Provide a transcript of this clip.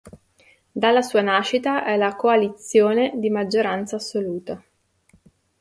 Dalla sua nascita è la coalizione di maggioranza assoluta.